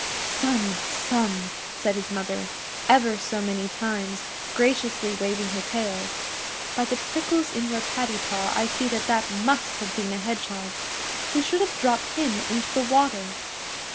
'Son, son!' said his mother ever so many times, graciously waving her tail, 'by the prickles in your paddy paw I see that that must have been a Hedgehog. You should have dropped him into the water.